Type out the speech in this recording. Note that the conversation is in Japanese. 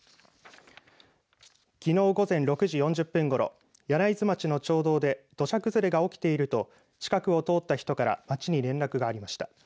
きのう午前６時４０分ごろ柳津町の町道で土砂崩れが起きていると近くを通った人から町に連絡がありました。